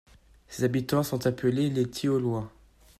Ses habitants sont appelés les Tieulois.